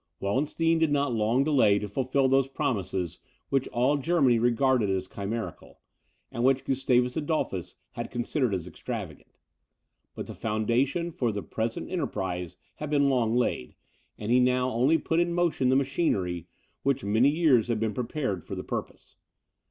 Wallenstein did not long delay to fulfil those promises which all Germany regarded as chimerical, and which Gustavus Adolphus had considered as extravagant. But the foundation for the present enterprise had been long laid, and he now only put in motion the machinery, which many years had been prepared for the purpose.